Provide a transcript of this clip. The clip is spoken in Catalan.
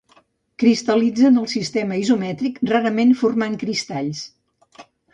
Cristal·litza en el sistema isomètric, rarament formant cristalls.